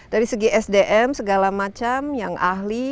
dari segi sdm segala macam yang ahli